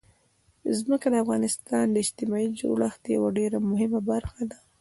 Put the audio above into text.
ځمکه د افغانستان د اجتماعي جوړښت یوه ډېره مهمه برخه ده.